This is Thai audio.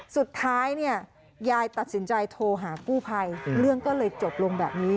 สุดท้ายเนี่ยยายตัดสินใจโทรหากู้ภัยเรื่องก็เลยจบลงแบบนี้